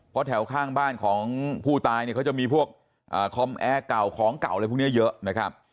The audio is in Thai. เพราะแถวข้างบ้านของผู้ตายเนี่ยเขาจะมีพวกคอมแอร์เก่าของเก่าอะไรพวกนี้เยอะนะครับ